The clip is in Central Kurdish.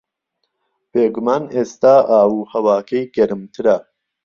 بێگومان ئێستا ئاو و ھەواکەی گەرمترە